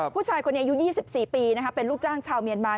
ผู้ชายคนนี้อายุ๒๔ปีเป็นลูกจ้างชาวเมียนมา